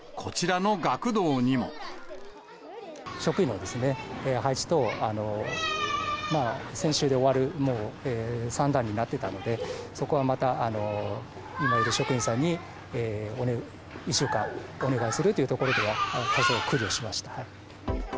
職員の配置等、先週で終わるもうさんだんになってたので、そこはまた今いる職員さんに１週間、お願いするというところでは多少、苦慮しました。